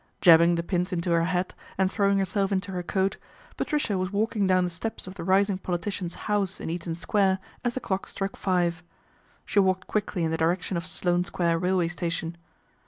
Jabbing the pins into her hat and throwing her self into her coat, Patricia was walking down the steps of the rising politician's house in Eaton Square as the clock struck five. She walked quickly in the direction of Sloane Square Railway Station.